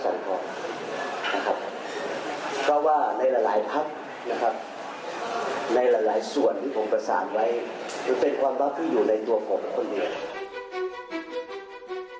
จะเป็นความว่าคืออยู่ในตัวผมคนเอง